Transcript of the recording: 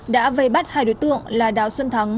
đã vây bắt hai đối tượng là đào xuân thắng